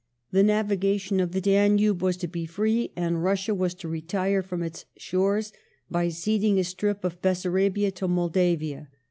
The navigation of the Danube was to be free, and Russia was to retire from its shores by ceding a strip of Bessarabia to Moldavia.